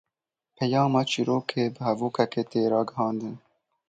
Peyama çîrokê bi hevokekê tê ragihandin.